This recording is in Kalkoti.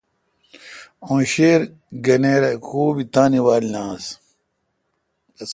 اوں ݭیر گنیر کو بی تانے وال ن آس۔